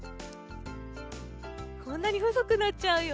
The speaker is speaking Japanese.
こんなにほそくなっちゃうよ。